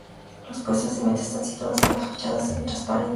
Los puestos de venta están situados en la fachada semi-transparente.